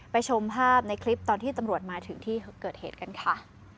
ชมภาพในคลิปตอนที่ตำรวจมาถึงที่เกิดเหตุกันค่ะ